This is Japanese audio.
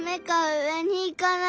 上に行かない。